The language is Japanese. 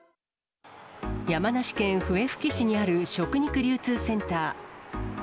山梨県笛吹市にある食肉流通センター。